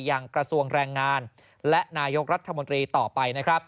อย่างกระทรวงแรงงานและนายกรัฐมนตรีต่อไปนะครับ